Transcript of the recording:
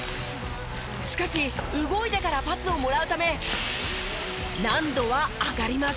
しかし動いてからパスをもらうため難度は上がります。